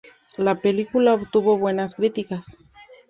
La película obtuvo buenas críticas.